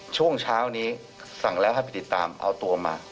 ช่วงเช้านี้สั่งแล้วให้ไปติดตามเอาตัวมา